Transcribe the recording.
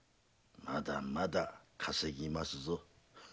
まだまだ稼ぎますぞ。